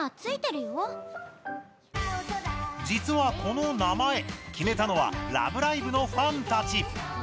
実は、この名前、決めたのは「ラブライブ！」のファンたち。